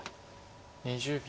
２０秒。